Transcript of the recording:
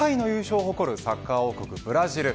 ５回を誇るサッカー王国ブラジル